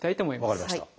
分かりました。